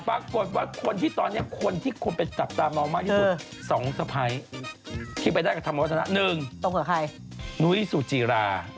ปรากฏว่าคนที่ตอนนี้ควรที่ควรไปจับตามมากที่สุด